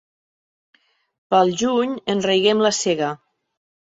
Pel juny enraiguem la sega.